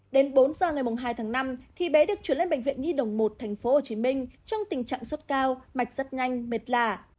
đến bốn giờ ngày hai năm bé được chuyển lên bệnh viện y đồng một tp hcm trong tình trạng xuất cao mạch rất nhanh mệt lả